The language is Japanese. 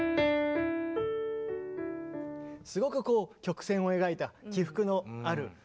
すごくこう曲線を描いた起伏のある。